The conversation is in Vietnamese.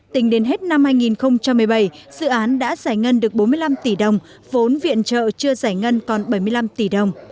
tính đến hết năm hai nghìn một mươi bảy dự án đã giải ngân được bốn mươi năm tỷ đồng vốn viện trợ chưa giải ngân còn bảy mươi năm tỷ đồng